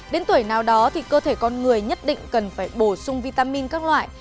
đến tuổi nào đó thì cơ thể con người nhất định cần phải bổ sung vitamin các loại